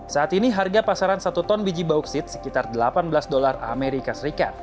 saat ini harga pasaran satu ton biji bauksit sekitar delapan belas dolar as